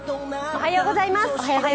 おはようございます。